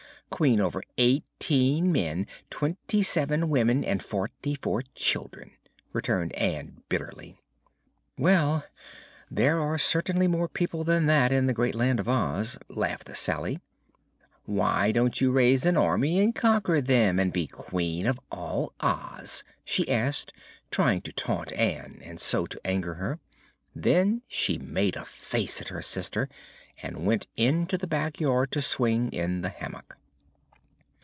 Queen over eighteen men, twenty seven women and forty four children!" returned Ann bitterly. "Well, there are certainly more people than that in the great Land of Oz," laughed Salye. "Why don't you raise an army and conquer them, and be Queen of all Oz?" she asked, trying to taunt Ann and so to anger her. Then she made a face at her sister and went into the back yard to swing in the hammock.